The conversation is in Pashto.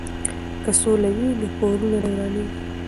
که سوله وي نو کورونه نه ورانیږي.